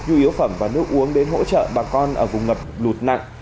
nhu yếu phẩm và nước uống đến hỗ trợ bà con ở vùng ngập lụt nặng